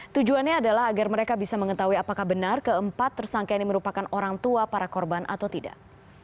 tujuannya adalah agar mereka bisa mengetahui apakah benar keempat tersangka ini merupakan orang tua para korban atau tidak